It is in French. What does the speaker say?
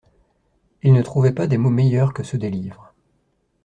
Il ne trouvait pas des mots meilleurs que ceux des livres.